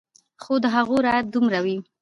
خو د هغو رعب دومره وي